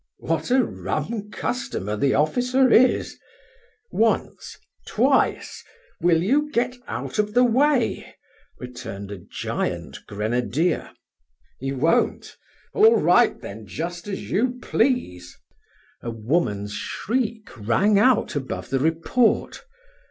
"What a rum customer the officer is! Once, twice, will you get out of the way?" returned a giant grenadier. "You won't? All right then, just as you please." A woman's shriek rang out above the report.